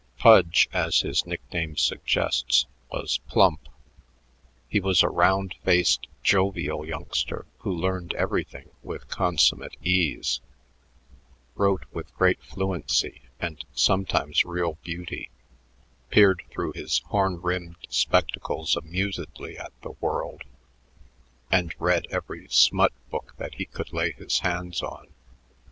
Pudge, as his nickname suggests, was plump. He was a round faced, jovial youngster who learned everything with consummate ease, wrote with great fluency and sometimes real beauty, peered through his horn rimmed spectacles amusedly at the world, and read every "smut" book that he could lay his hands on.